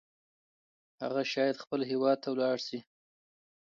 هغه شاید خپل هیواد ته لاړ شي.